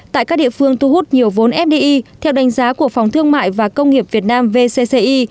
tại các địa phương thu hút nhiều vốn fdi theo đánh giá của phòng thương mại và công nghiệp việt nam vcci